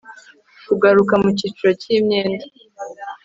kugaruka mu cyiciro cy Imyenda